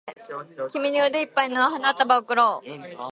君に腕いっぱいの花束を贈ろう